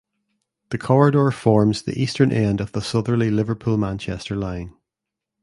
The corridor forms the eastern end of the southerly Liverpool–Manchester line.